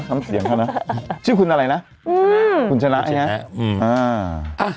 ทำเสียงเข้านะชื่อคุณอะไรนะอืมคุณชนะใช่ไหมอืมอ่า